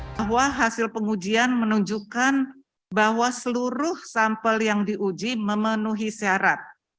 bahwa hasil pengujian menunjukkan bahwa seluruh sampel yang diuji memenuhi syarat